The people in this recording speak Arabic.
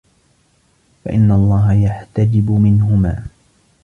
فَإِنَّ اللَّهَ يَحْتَجِبُ مِنْهُمَا